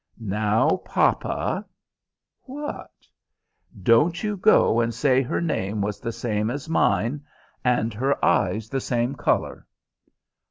"Now, papa!" "What?" "Don't you go and say her name was the same as mine, and her eyes the same color."